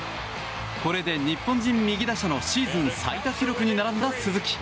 これで日本人右打者のシーズン最多記録に並んだ鈴木。